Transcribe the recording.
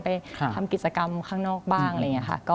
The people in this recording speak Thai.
ไปทำกิจกรรมข้างนอกบ้างอะไรอย่างนี้ค่ะ